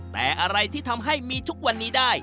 แต่อะไรที่ทำให้มีทุกวันนี้ได้